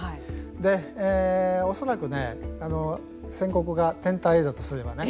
で、恐らくね線刻が天体だとすればね